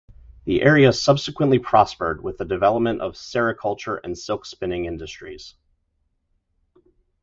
The area subsequently prospered with the development of sericulture and silk spinning industries.